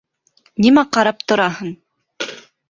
Нимә ҡарап тораһың?